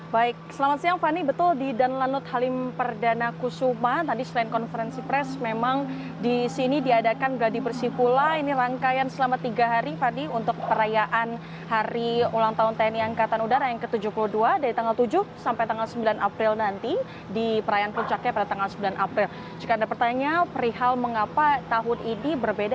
baik selamat siang fani